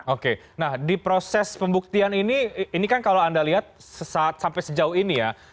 oke nah di proses pembuktian ini ini kan kalau anda lihat sampai sejauh ini ya